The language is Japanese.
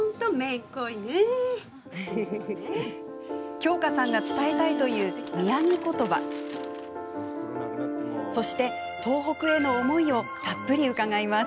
京香さんが伝えたいという宮城ことばそして、東北への思いをたっぷり伺います。